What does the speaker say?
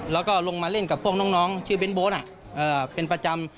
แล้วก็ลงมาเล่นกับพวกน้องชื่อเน้นโบ๊ทเป็นประจำ